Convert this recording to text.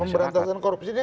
ya pemberantasan korupsi ini